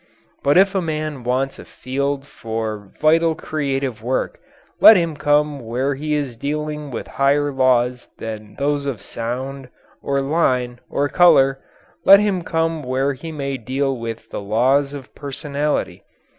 But if a man wants a field for vital creative work, let him come where he is dealing with higher laws than those of sound, or line, or colour; let him come where he may deal with the laws of personality.